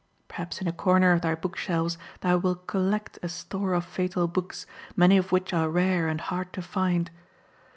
Perhaps in a corner of thy book shelves thou wilt collect a store of Fatal Books, many of which are rare and hard to find.